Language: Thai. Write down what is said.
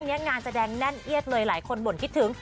ตอนนี้งานแบบแน่นเนิดเลยหลายคนบ่นมือคิดถึง